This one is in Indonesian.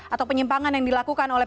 atau penyimpangan yang dilakukan oleh